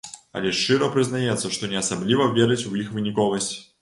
Але шчыра прызнаецца, што не асабліва верыць у іх выніковасць.